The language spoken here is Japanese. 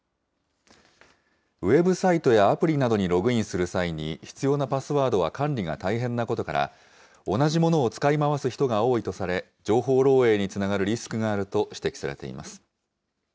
ウェブサイトやアプリなどにログインする際に必要なパスワードは管理が大変なことから、同じものを使い回す人が多いとされ、情報漏えいにつながるリスクがあると指摘されています。